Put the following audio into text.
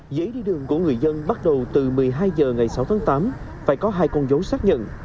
giấy đi đường của người dân bắt đầu từ một mươi hai h ngày sáu tháng tám phải có hai con dấu xác nhận